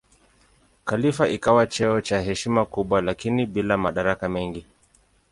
Khalifa ikawa cheo cha heshima kubwa lakini bila madaraka mengi.